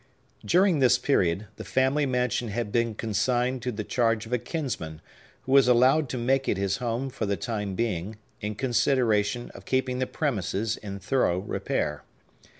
During this period, the family mansion had been consigned to the charge of a kinsman, who was allowed to make it his home for the time being, in consideration of keeping the premises in thorough repair.